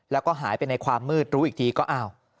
แล้วก็หายไปในความมืดรู้อีกทีก็อ้าว